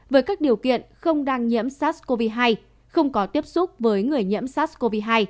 với các điều kiện không đang nhiễm sars cov hai không có tiếp xúc với người nhiễm sars cov hai